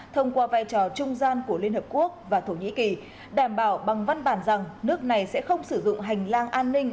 thông qua vai trò trung gian của liên hợp quốc và thổ nhĩ kỳ đảm bảo bằng văn bản rằng nước này sẽ không sử dụng hành lang an ninh